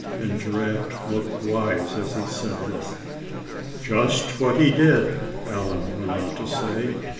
and Giraffe looked wise as he said this. "Just what he did," Allan went on to say.